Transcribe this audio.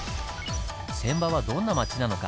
船場はどんな町なのか？